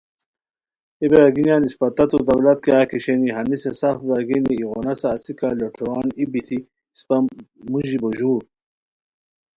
اے برار گینیان اسپہ تتو دولت کیاغ کی شینی، ہنیسے سف برارگینی ایغو نسہ اسیکہ لوٹھوروان ای بیتی اسپہ موژی بوژور